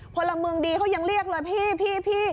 พลเมืองดีเขายังเรียกเลยพี่